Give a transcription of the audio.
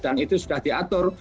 dan itu sudah diatur